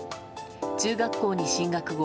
中学校に進学後